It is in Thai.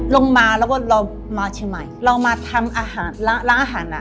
ลงมาแล้วก็เรามาเชียงใหม่เรามาทำอาหารร้านอาหารอ่ะ